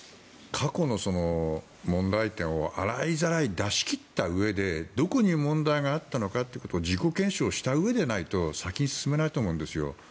過去の問題点を洗いざらい出し切ったうえでどこに問題があったのかということを自己検証したうえではないと先に進めないと思うんです。